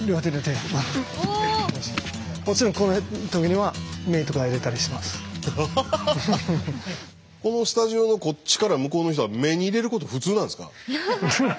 このスタジオのこっちから向こうの人は目に入れること普通なんですか？